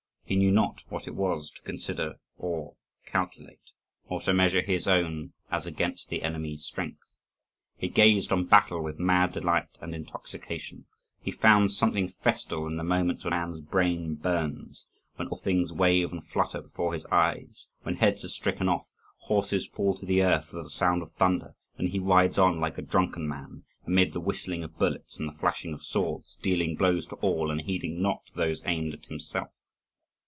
He knew not what it was to consider, or calculate, or to measure his own as against the enemy's strength. He gazed on battle with mad delight and intoxication: he found something festal in the moments when a man's brain burns, when all things wave and flutter before his eyes, when heads are stricken off, horses fall to the earth with a sound of thunder, and he rides on like a drunken man, amid the whistling of bullets and the flashing of swords, dealing blows to all, and heeding not those aimed at himself.